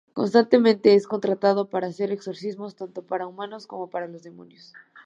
Constantemente es contratado para hacer exorcismos tanto para humanos como para los demonios.